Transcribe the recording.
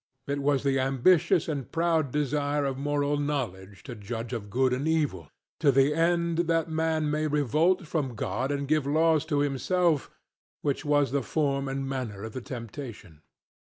It was the ambitious and proud desire of moral knowledge to judge of good and evil, to the end that man may revolt from God and give laws to himself, which was the form and manner of the temptation.